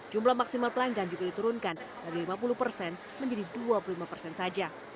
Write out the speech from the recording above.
jumlah maksimal pelanggan juga diturunkan dari lima puluh persen menjadi dua puluh lima persen saja